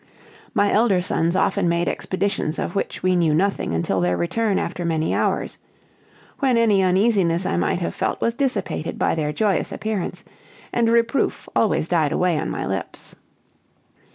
My elder sons often made expeditions of which we knew nothing until their return after many hours; when any uneasiness I might have felt was dissipated by their joyous appearance, and reproof always died away on my lips.